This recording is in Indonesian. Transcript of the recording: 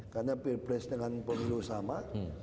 karena perpres dengan pemilu sama